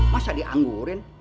masa dianggurin ye